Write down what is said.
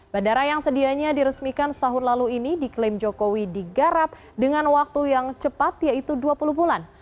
bandara yang sedianya diresmikan setahun lalu ini diklaim jokowi digarap dengan waktu yang cepat yaitu dua puluh bulan